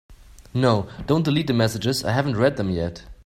No, don’t delete the messages, I haven’t read them yet.